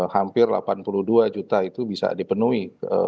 hampir delapan puluh dua juta itu bisa dipenuhi